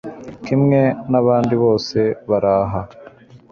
kimwe nabandi bose baraha